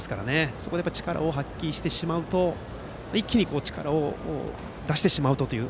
そこで力を発揮してしまうと一気に力を出してしまう。